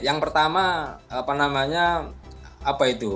yang pertama apa namanya apa itu